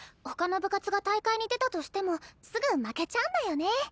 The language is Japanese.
他の部活が大会に出たとしてもすぐ負けちゃうんだよね。